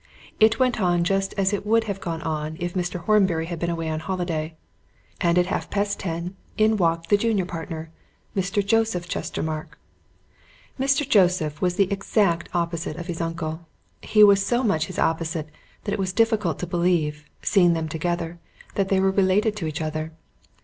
It went on just as it would have gone on if Mr. Horbury had been away on holiday. And at half past ten in walked the junior partner, Mr. Joseph Chestermarke. Mr. Joseph was the exact opposite of his uncle. He was so much his opposite that it was difficult to believe, seeing them together, that they were related to each other.